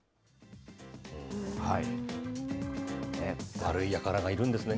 悪いやからがいるんですね。